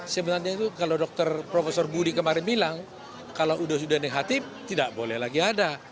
sebenarnya itu kalau dokter profesor budi kemarin bilang kalau sudah negatif tidak boleh lagi ada